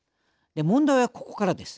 問題はここからです。